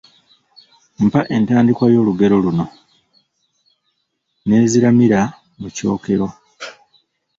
Mpa entandikwa y’olugero luno:,ne ziramira mu kyokero.